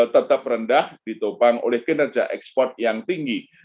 tetap rendah ditopang oleh kinerja ekspor yang tinggi